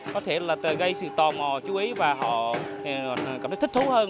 có thể là gây sự tò mò chú ý và họ cảm thấy thích thú hơn